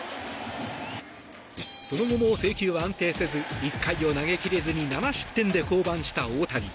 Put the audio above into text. その後も制球は安定せず１回を投げ切れずに７失点で降板した大谷。